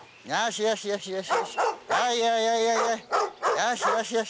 よーし、よしよし。